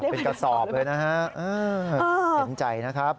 เป็นกระสอบเลยนะฮะเห็นใจนะครับ